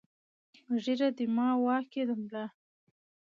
ـ ږيره دما، واک يې د ملا.